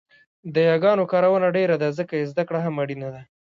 د یاګانو کارونه ډېره ده ځکه يې زده کړه هم اړینه ده